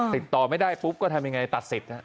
ติดต่อไม่ได้ปุ๊บก็ทำยังไงตัดสิทธิ์